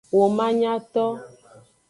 Womanyato.